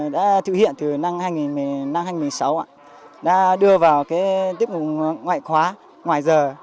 đã thực hiện từ năm hai nghìn một mươi sáu đã đưa vào tiếp hùng ngoại khóa ngoài giờ